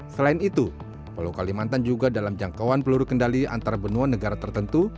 selain itu pulau kalimantan juga dalam jangkauan peluru kendali antarbenua negara tertentu